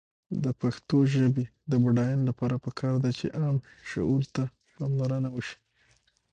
د پښتو ژبې د بډاینې لپاره پکار ده چې عام شعور ته پاملرنه وشي.